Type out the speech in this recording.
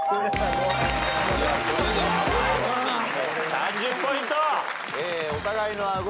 ３０ポイント。